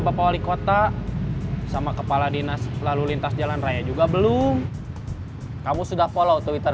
bapak wali kota sama kepala dinas lalu lintas jalan raya juga belum kamu sudah follow twitter